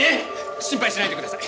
心配しないでください！